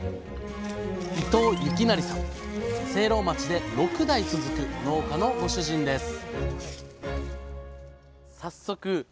聖籠町で６代続く農家のご主人です